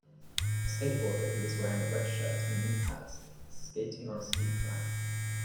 A skateboarder who is wearing a red shirt and knee pads is skating on a steep ramp.